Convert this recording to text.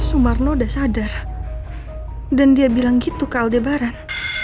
ya pak sumarno udah sadar dan dia bilang gitu ke aldebaran